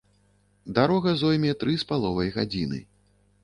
Дарога зойме тры з паловай гадзіны.